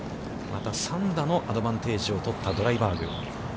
また３打のアドバンテージを取ったドライバーグ。